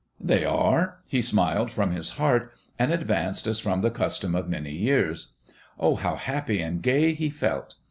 "They are?" he smiled from his heart, and advanced as from the custom of many years. Oh, how happy and gay he felt!